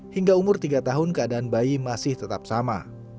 hingga umur tiga tahun keadaan bayi masih tetap sama